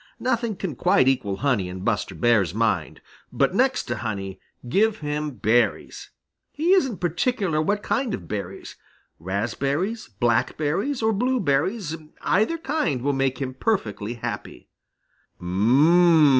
Nothing can quite equal honey in Buster's mind. But next to honey give him berries. He isn't particular what kind of berries. Raspberries, blackberries, or blueberries, either kind, will make him perfectly happy.